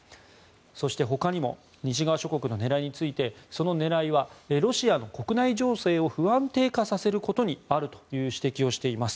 そして他にも西側諸国の狙いについてその狙いはロシアの国内情勢を不安定化させることにあるという指摘をしています。